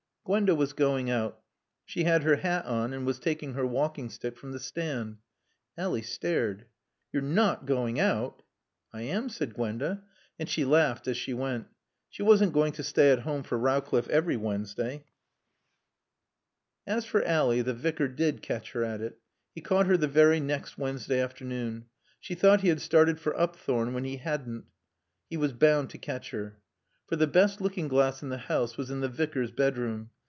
Gwenda was going out. She had her hat on, and was taking her walking stick from the stand. Ally stared. "You're not going out?" "I am," said Gwenda. And she laughed as she went. She wasn't going to stay at home for Rowcliffe every Wednesday. As for Ally, the Vicar did catch her at it. He caught her the very next Wednesday afternoon. She thought he had started for Upthorne when he hadn't. He was bound to catch her. For the best looking glass in the house was in the Vicar's bedroom.